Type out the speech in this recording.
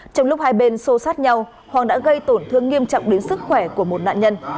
trong lúc hai bên xô sát nhau hoàng đã gây tổn thương nghiêm trọng đến sức khỏe của một nạn nhân